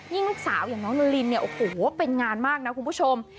ลูกสาวอย่างน้องนุลินเนี่ยโอ้โหเป็นงานมากนะคุณผู้ชม